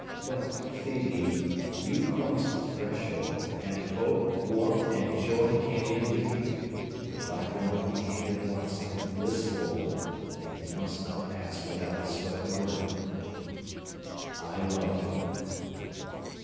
But, Phœbe, you crossed the threshold; and hope, warmth, and joy came in with you! The black moment became at once a blissful one. It must not pass without the spoken word. I love you!"